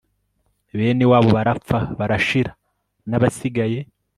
bene wabo barapfa barashira nabasigaye